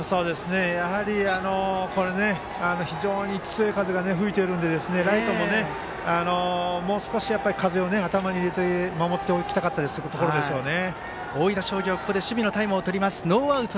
やはり非常に強い風が吹いているのでライトももう少し風を頭に入れて守っておきたかったところでしょうね。